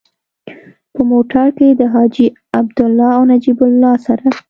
په موټر کې له حاجي عبدالله او نجیب الله سره.